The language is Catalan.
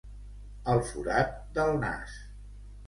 El forat del nas.